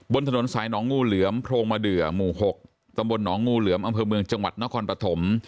บนถนนสายหนองงูเหลือมโพรงมาเดือหมู่๖ตำบลหนองงูเหลือมอำเภอเมืองจังหวัดนครปฐม